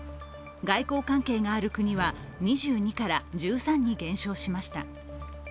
外交関係がある国は２２から１３に減少しました。